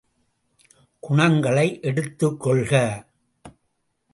குணங்களை எடுத்துக் கொள்க!